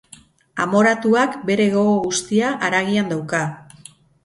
Amoratuak bere gogo guztia haragian dauka.